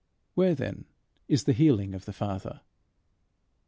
Where, then, is the healing of the Father?